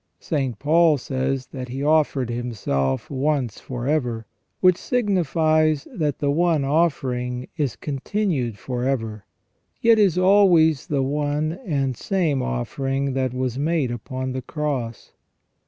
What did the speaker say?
St. Paul says that He offered Himself " once, for ever," which signifies that the one offering is continued for ever, yet is always the one and same offering that was made upon the Cross.